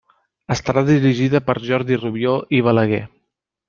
Estarà dirigida per Jordi Rubió i Balaguer.